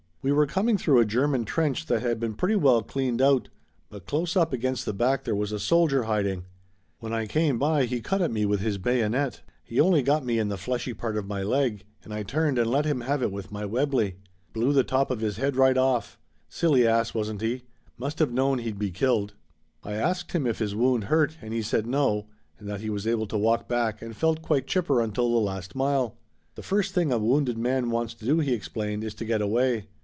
"We were coming through a German trench that had been pretty well cleaned out, but close up against the back there was a soldier hiding. When I came by he cut at me with his bayonet. He only got me in the fleshy part of my leg, and I turned and let him have it with my Webley. Blew the top of his head right off. Silly ass, wasn't he? Must have known he'd be killed." I asked him if his wound hurt, and he said no, and that he was able to walk back, and felt quite chipper until the last mile. "The first thing a wounded man wants to do," he explained, "is to get away.